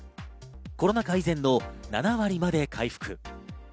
コロナ禍以前の７割まで回復。